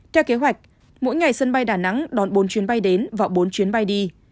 theo kế hoạch mỗi ngày sân bay đà nẵng đón bốn chuyến bay đến và bốn chuyến bay đi